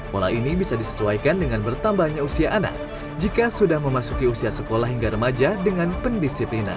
pola ini bisa disesuaikan dengan bertambahnya usia anak jika sudah memasuki usia sekolah hingga remaja dengan pendisiplinan